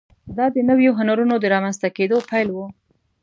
دا د نویو هنرونو د رامنځته کېدو پیل و.